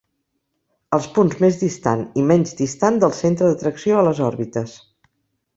Els punts més distant i menys distant del centre d'atracció a les òrbites.